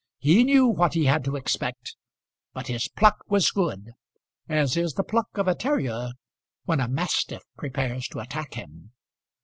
He knew what he had to expect; but his pluck was good, as is the pluck of a terrier when a mastiff prepares to attack him.